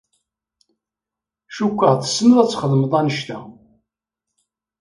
Cukkeɣ tessneḍ ad txedmeḍ anect-a.